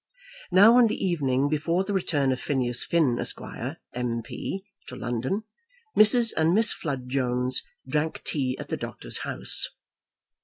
Now on the evening before the return of Phineas Finn, Esq., M.P., to London, Mrs. and Miss Flood Jones drank tea at the doctor's house.